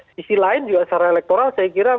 sisi lain juga secara elektoral saya kira